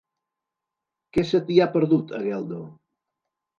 Què se t'hi ha perdut, a Geldo?